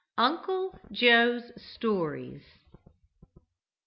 UNCLE JOE'S STORIES.